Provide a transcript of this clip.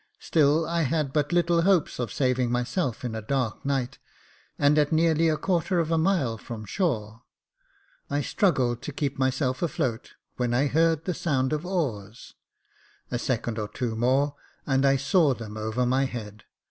Still, I had but little hopes of saving myself in a dark night, and at nearly a quarter of a mile from shore. I struggled to keep myself afloat, when I heard the sound of oars ; a second or two more, and I saw them over my head.